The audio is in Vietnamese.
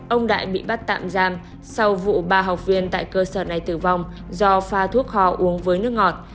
ông đại bị bắt tạm giam sau vụ ba học viên tại cơ sở này tử vong do pha thuốc hò uống với nước ngọt